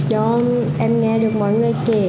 em nghe được mọi người kể